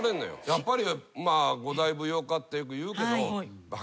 やっぱり五大流派ってよく言うけど。